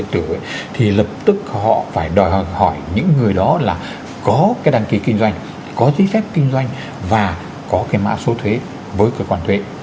thì lập tức họ phải đòi hỏi hỏi những người đó là có cái đăng ký kinh doanh có giấy phép kinh doanh và có cái mã số thuế với cơ quan thuế